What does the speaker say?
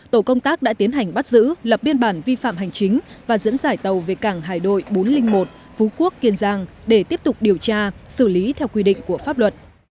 tổ công tác đã tiến hành bắt giữ lập biên bản vi phạm hành chính và dẫn dải tàu về cảng hải đội bốn trăm linh một phú quốc kiên giang để tiếp tục điều tra xử lý theo quy định của pháp luật